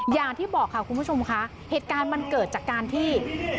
อย่างที่บอกค่ะคุณผู้ชมค่ะเหตุการณ์มันเกิดจากการที่